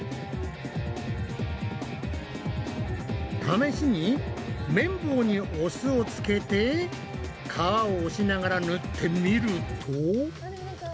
試しに綿棒にお酢をつけて皮を押しながら塗ってみると。